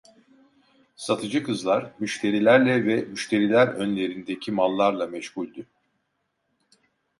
Satıcı kızlar müşterilerle ve müşteriler önlerindeki mallarla meşguldü.